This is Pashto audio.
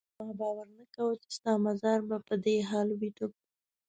ما باور نه کاوه چې ستا مزار به په دې حال وینم.